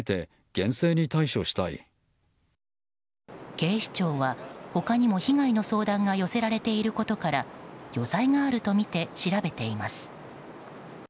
警視庁は他にも被害の相談が寄せられていることから余罪があるとみて調べています。